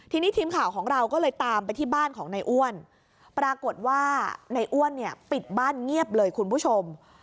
ทีนี้ทีมข่าวของเราก็เลยตามไปที่บ้านของนายอ้วนปรากฏว่าในอ้วนเนี่ยปิดบ้านเงียบเลยคุณผู้ชม